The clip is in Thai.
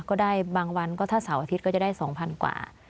ก็ได้บางวันก็ถ้าเสาร์อาทิตย์ก็จะได้๒๐๐๐กว่า